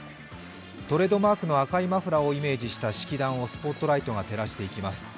トレードマークの赤いマフラーをイメージした式壇をスポットライトが照らしていきます。